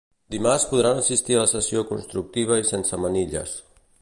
Dimarts podran assistir a la sessió constructiva i sense manilles.